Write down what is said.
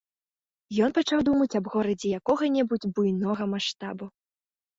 Ён пачаў думаць аб горадзе якога-небудзь буйнога маштабу.